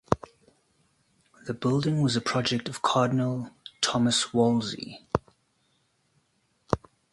The building was a project of Cardinal Thomas Wolsey.